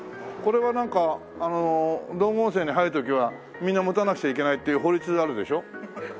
これはなんか道後温泉に入る時はみんな持たなくちゃいけないっていう法律あるでしょ？